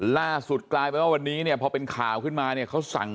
ล่าสุดกลายเป็นว่าวันนี้เนี่ยพอเป็นข่าวขึ้นมาเนี่ยเขาสั่ง